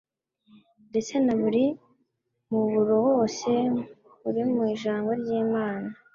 ndetse na buri muburo wose uri mu Ijambo ry'Imana